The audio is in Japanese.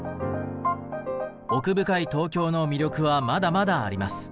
奥深い東京の魅力はまだまだあります。